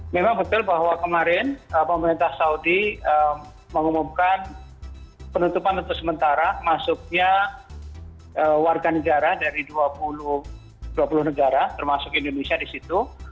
memang betul bahwa kemarin pemerintah saudi mengumumkan penutupan untuk sementara masuknya warga negara dari dua puluh negara termasuk indonesia di situ